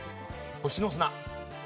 星の砂。